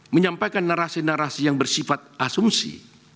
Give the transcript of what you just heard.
menyampaikan narasi narasi yang bersifat asumsi